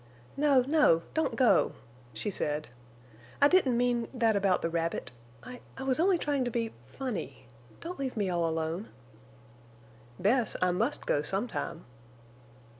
"No, no, don't go!" she said. "I didn't mean—that about the rabbit. I—I was only trying to be—funny. Don't leave me all alone!" "Bess, I must go sometime."